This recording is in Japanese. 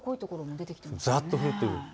ざっと降っています。